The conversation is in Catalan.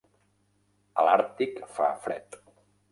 A l'Àrtic fa fred.